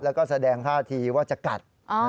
แล้วก็แสดงท่าทีว่าจะกัด